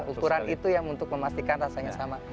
ukuran itu yang untuk memastikan rasanya sama